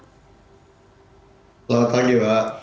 selamat pagi mbak